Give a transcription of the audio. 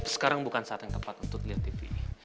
sekarang bukan saat yang tepat untuk lihat tv